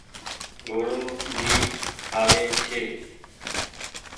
گھوڙو ڀي کآوي ڇي۔